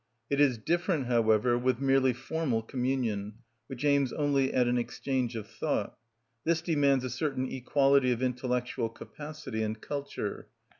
It is different, however, with merely formal communion, which aims only at an exchange of thought; this demands a certain equality of intellectual capacity and culture.